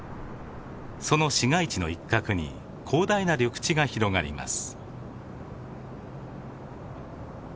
その市街地の一角に広大な緑地が広がります。